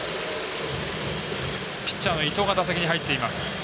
バッターは伊藤が打席に入っています。